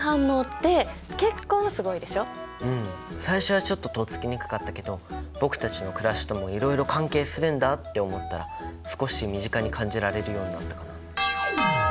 最初はちょっととっつきにくかったけど僕たちの暮らしともいろいろ関係するんだって思ったら少し身近に感じられるようになったかな。